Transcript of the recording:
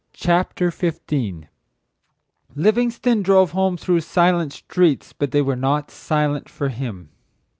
CHAPTER XV Livingstone drove home through silent streets, but they were not silent for him.